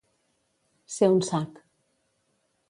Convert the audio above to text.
Ser un sac.